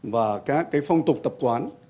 và các phong tục tập quán